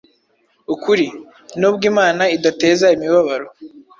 Ukuri: Nubwo Imana idateza imibabaro,